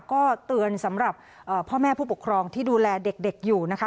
ก็เตือนสำหรับพ่อแม่ผู้ปกครองที่ดูแลเด็กอยู่นะคะ